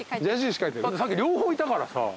さっき両方いたからさ。